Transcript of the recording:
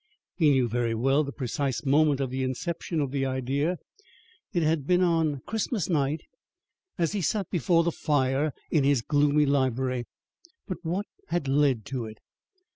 He knew very well the precise moment of the inception of the idea it had been on Christmas night as he sat before the fire in his gloomy library. But what had led to it?